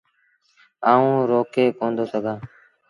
آئوٚݩ روڪي ڪوندو سگھآݩ۔